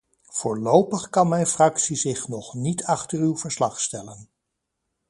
Voorlopig kan mijn fractie zich nog niet achter uw verslag stellen.